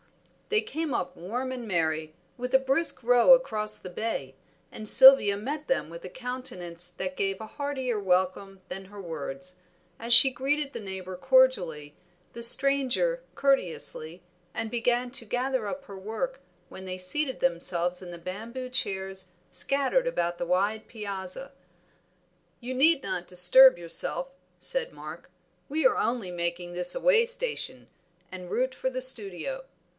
They came up warm and merry, with a brisk row across the bay, and Sylvia met them with a countenance that gave a heartier welcome than her words, as she greeted the neighbor cordially, the stranger courteously, and began to gather up her work when they seated themselves in the bamboo chairs scattered about the wide piazza. "You need not disturb yourself," said Mark, "we are only making this a way station, en route for the studio.